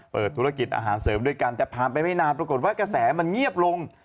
เปิดธุรกิจอาหารเสริมด้วยกันแต่ผ่านไปไม่นานปรากฏว่ากระแสมันเงียบลง